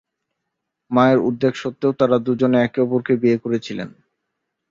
মায়ের উদ্বেগ সত্ত্বেও তারা দুজনে একে অপরকে বিয়ে করেছিলেন।